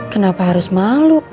kenapa harus malu